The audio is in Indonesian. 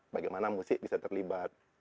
bagaimana musik bisa terlibat